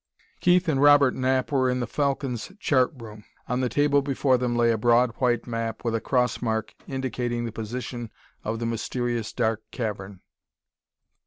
Keith and Robert Knapp were in the Falcon's chart room. On the table before them lay a broad white map with a cross mark indicating the position of the mysterious dark cavern.